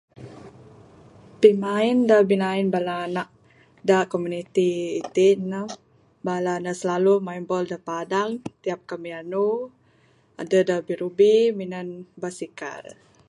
Pimain da binain bala anak da komuniti itin ne bala ne slalu main bol da padang tiap kamianu adeh da birubi minan basikal.